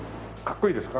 かっこいいです。